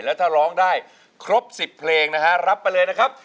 แล้วถ้าร้องได้ครบ๑๐เพลงนะฮะรับไปเลยนะครับ